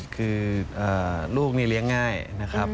คือลูกนี่เลี้ยงง่ายนะครับ